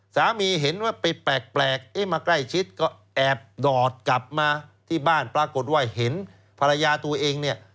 สามีเห็นว่าแปลกมาใกล้ชิดก็แอบดอดกลับมาที่บ้านปรากฏว่าเห็นภรรยาตัวเอง